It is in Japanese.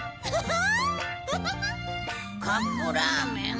カップラーメン？